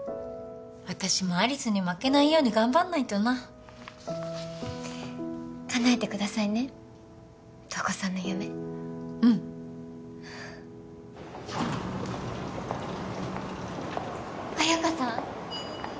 私も有栖に負けないように頑張んないとな叶えてくださいね瞳子さんの夢うん綾香さん？